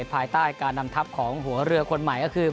ภายใต้การนำทัพของหัวเรือคนใหม่ก็คือ